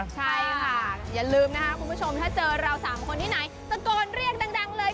ใช่ค่ะอย่าลืมนะคะคุณผู้ชมถ้าเจอเรา๓คนที่ไหนตะโกนเรียกดังเลย